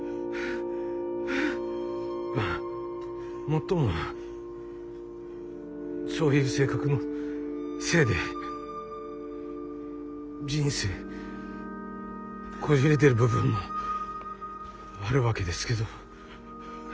もっともそういう性格のせいで人生こじれてる部分もあるわけですけど。